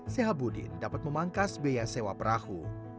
sehabudin dapat memangkas biaya sewa perahu